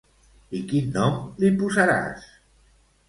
I quin nom li posaràs?